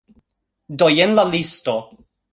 Do, jen la listo